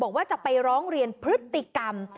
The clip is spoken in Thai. บอกว่าจะไปร้องเรียนพฤติกรรม